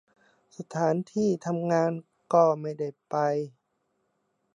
สถานที่ทำงานก็ไม่ได้ไป